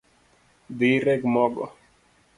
Dhi ireg mogo